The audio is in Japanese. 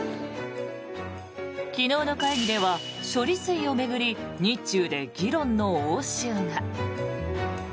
昨日の会議では、処理水を巡り日中で議論の応酬が。